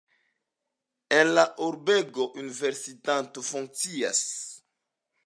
En la urbego universitato funkcias.